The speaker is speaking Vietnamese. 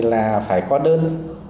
là phải có đơn